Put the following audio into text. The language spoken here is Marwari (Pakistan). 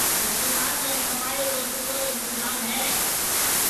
اسپتال ۾ صفائي رو سُٺو انتظام ھيََََ